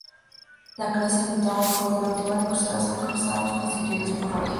La clase "Minotaur", fue la última de cruceros acorazados construidos para Royal Navy.